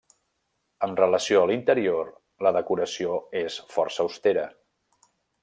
Amb relació a l'interior, la decoració és força austera.